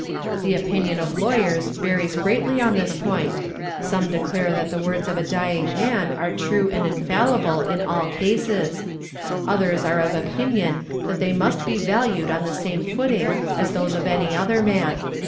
The opinion of lawyers varies greatly on this point, some declare that the words of a dying man are true and infallible in all _ cases ; others are of opinion that they must be valued on the same footing as those of any other man.